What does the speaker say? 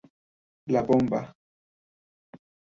La bomba.